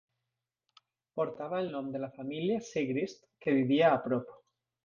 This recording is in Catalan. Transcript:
Portava el nom de la família Siegrist, que vivia a prop.